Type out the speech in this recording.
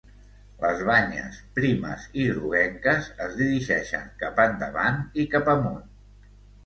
Les banyes primes i groguenques, es dirigeixen cap endavant i cap amunt.